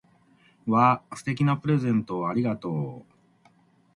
わぁ！素敵なプレゼントをありがとう！